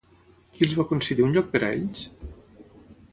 Qui els va concedir un lloc per a ells?